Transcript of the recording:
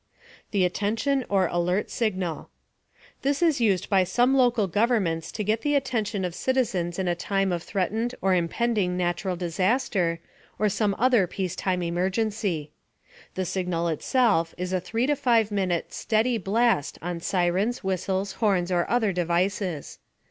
THE ATTENTION OR ALERT SIGNAL. This is used by some local governments to get the attention of citizens in a time of threatened or impending natural disaster, or some other peacetime emergency. The signal itself is a 3 to 5 minute steady blast on sirens, whistles, horns or other devices.